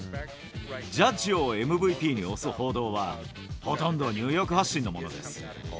ジャッジをＭＶＰに推す報道は、ほとんどニューヨーク発信のものです。